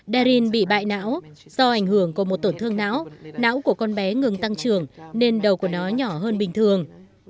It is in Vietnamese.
darin bị bại não do ảnh hưởng của một tổn thương não não của con bé ngừng tăng trưởng nên đầu của nó nhỏ hơn bình thường